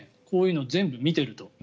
こういうのを全部見ると。